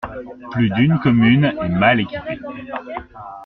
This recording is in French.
Plus d’une commune est mal équipée.